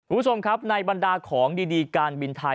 คุณผู้ชมครับในบรรดาของดีการบินไทย